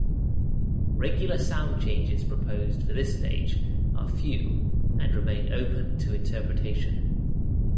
Regular sound changes proposed for this stage are few and remain open to interpretation.